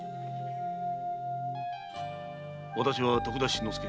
私は徳田新之助。